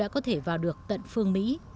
có thể vào được tận phương mỹ